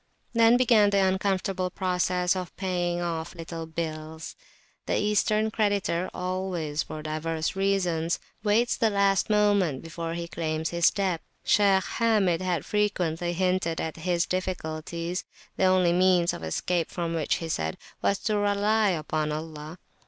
Then began the uncomfortable process of paying off little bills. The Eastern creditor always, for divers reasons, waits the last moment before he claims his debt. Shaykh Hamid had frequently hinted at his difficulties; the only means of escape from which, he said, was to rely upon Allah.